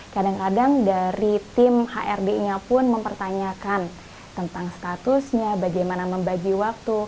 kadang kadang dari tim hrd nya pun mempertanyakan tentang statusnya bagaimana membagi waktu